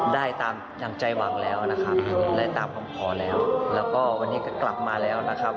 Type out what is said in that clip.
ได้ตามอย่างใจหวังแล้วนะครับได้ตามคำขอแล้วแล้วก็วันนี้ก็กลับมาแล้วนะครับ